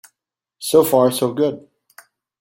So far so good.